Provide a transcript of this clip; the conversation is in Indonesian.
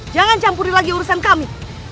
jangan campuri lagi urusan kami